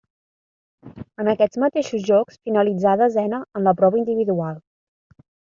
En aquests mateixos Jocs finalitzà desena en la prova individual.